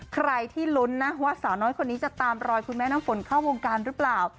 ใครที่ลุ้นนะว่าสาวน้อยคนนี้จะตามรอยคุณแม่น้ำฝนเข้าวงการหรือเปล่า